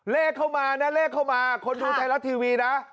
เลขเข้ามานะเลขเข้ามาคนดูไทยรัฐทีวีนะ